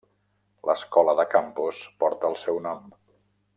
L'escola de Campos porta el seu nom.